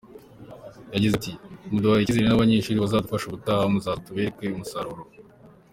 Yagize ati :”Muduhaye icyizere n’abanyeshuri bazadufasha, ubutaha muzaza tubereka umusaruro”.